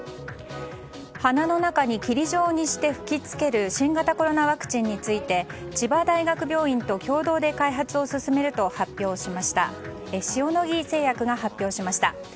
鼻の中に霧状にして噴きつける新型コロナワクチンについて千葉大学病院と共同で開発を進めると塩野義製薬が発表しました。